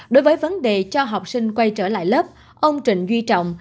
đối với vấn đề cho học sinh quay trở lại lớp ông trịnh duy trọng